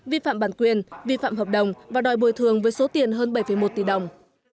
vi phạm bản quyền vi phạm hợp đồng và đòi bồi thường với số tiền hơn bảy một tỷ đồng